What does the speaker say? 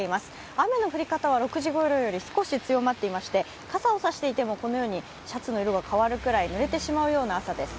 雨の降り方は６時ごろより少し強まっていまして傘を差していても、シャツの色が変わるぐらいぬれてしまう朝です。